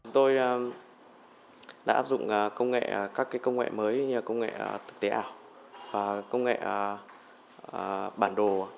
tôi đã áp dụng các công nghệ mới như công nghệ thực tế ảo và công nghệ bản đồ